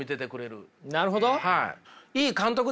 なるほど。